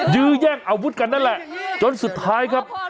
ยื้อแย่งอาวุธกันนั่นแหละจนสุดท้ายครับ